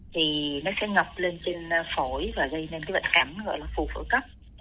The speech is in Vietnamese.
thì nó sẽ ngập lên trên phổi và gây nên cái bệnh khẳng gọi là phủ phổ cấp